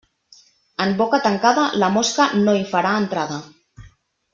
En boca tancada, la mosca no hi farà entrada.